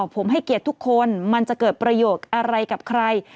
ผมให้เกียรติทุกคนมันจะเกิดประโยชน์อะไรกับใคร